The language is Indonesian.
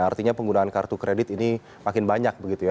artinya penggunaan kartu kredit ini makin banyak